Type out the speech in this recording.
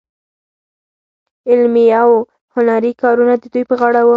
علمي او هنري کارونه د دوی په غاړه وو.